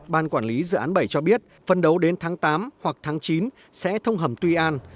ban quản lý dự án bảy cho biết phần đấu đến tháng tám hoặc tháng chín sẽ thông hầm tuy an